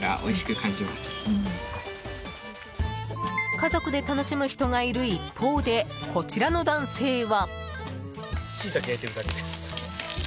家族で楽しむ人がいる一方でこちらの男性は。